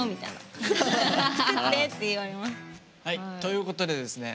ということでですね